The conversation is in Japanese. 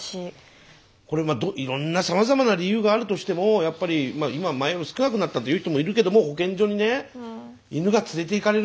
これまあいろんなさまざまな理由があるとしてもやっぱり今前より少なくなったという人もいるけども保健所にね犬が連れて行かれる。